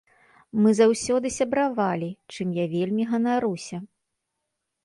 Мы заўсёды сябравалі, чым я вельмі ганаруся.